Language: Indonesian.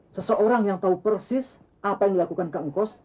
seseorang yang tahu persis apa yang dilakukan kak ngkos